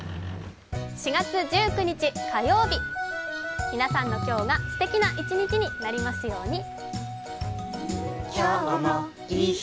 ４月１９日火曜日、皆さんの今日がすてきな一日になりますように。